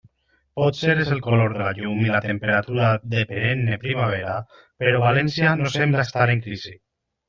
Potser és el color de la llum i la temperatura de perenne primavera, però València no sembla estar en crisi.